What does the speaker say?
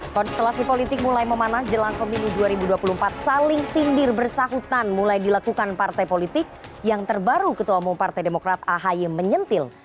konstelasi politik mulai memanas jelang pemilu dua ribu dua puluh empat saling sindir bersahutan mulai dilakukan partai politik yang terbaru ketua umum partai demokrat ahy menyentil